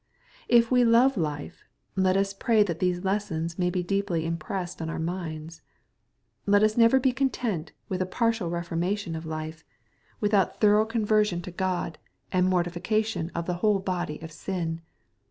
If we love life, let us pray that these lessons may be deeply impressed on our minds. Let us never be content with a partial leformation of life* without thorough con* «ATTHBW, CHAP. XII. 139 ▼efluon to Grod, and mortification of the whole body of sin.